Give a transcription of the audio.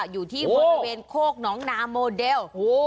อยู่ที่บริเวณโคกน้องนาโมเดล